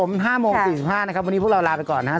ผม๕โมง๔๕นะครับวันนี้พวกเราลาไปก่อนนะครับ